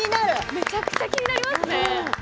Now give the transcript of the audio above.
めちゃくちゃ気になりますね。